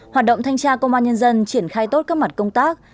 hoạt động thanh tra công an nhân dân triển khai tốt các mặt công tác